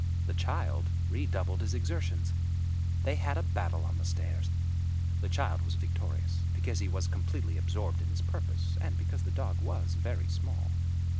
The child redoubled his exertions. They had a battle on the stairs. The child was victorious because he was completely absorbed in his purpose, and because the dog was very small.